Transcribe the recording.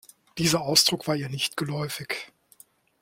Dieser Ausdruck war ihr nicht geläufig.